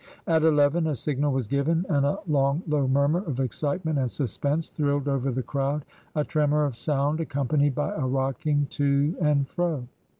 At eleven a signal was given, and a long low murmur of excitement and suspense thrilled over the crowd, a tremor of sound accompanied by a rocking too and fro.